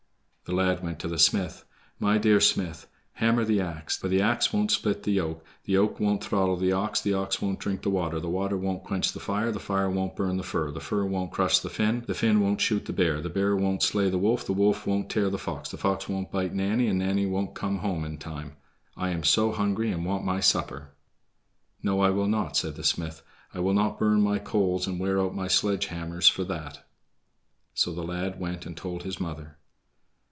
The lad went to the smith. "My dear smith, hammer the ax, for the ax won't split the yoke, the yoke won't throttle the ox, the ox won't drink the water, the water won't quench the fire, the fire won't burn the fir, the fir won't crush the Finn, the Finn won't shoot the bear, the bear won't slay the wolf, the wolf won't tear the fox, the fox won't bite Nanny, and Nanny won't come home in time. I am so hungry and want my supper." "No, I will not," said the smith; "I'll not burn my coals and wear out my sledge hammers for that." So the lad went and told his mother.